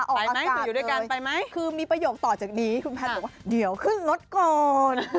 ออกอากาศเลยคือมีประโยคต่อจากนี้คุณแพทย์บอกว่าเดี๋ยวขึ้นรถก่อน